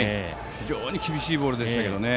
非常に厳しいボールですけどね